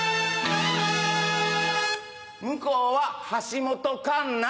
向こうは橋本環奈。